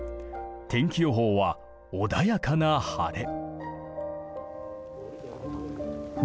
天気予報は穏やかな晴れ。